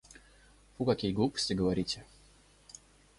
Фу какие глупости говорите.